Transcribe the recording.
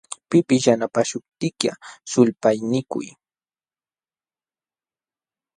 Pipis yanapaśhuptiykiqa, sulpaynikuy.